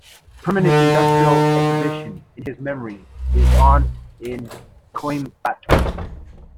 A permanent Industrial Exhibition in his memory is on in Coimbatore.